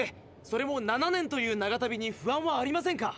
それも７年という長旅に不安はありませんか？